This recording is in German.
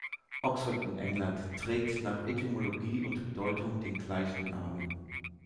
Oxford in England trägt nach Etymologie und Bedeutung den gleichen Namen.